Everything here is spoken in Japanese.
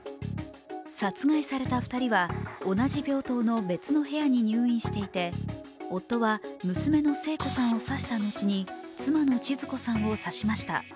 殺害された２人は同じ病棟の別の部屋に入院していて夫は娘の聖子さんを刺したのちに妻のちづ子さんを刺しました。